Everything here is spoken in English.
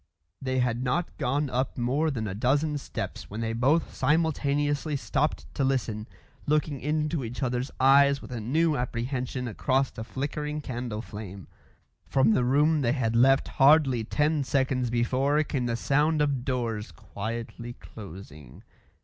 They had not gone up more than a dozen steps when they both simultaneously stopped to listen, looking into each other's eyes with a new apprehension across the flickering candle flame. From the room they had left hardly ten seconds before came the sound of doors quietly closing.